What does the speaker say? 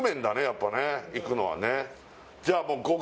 やっぱねいくのはねじゃ極